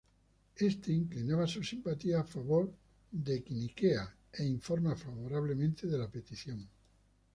Este inclinaba sus simpatías a favor de Queniquea e informa favorablemente la petición.